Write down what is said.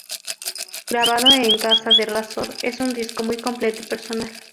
Grabado en casa de Razor, es un disco muy completo y personal.